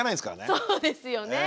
そうですよね。